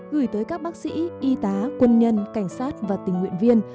gửi tới các bác sĩ y tá quân nhân cảnh sát và tình nguyện viên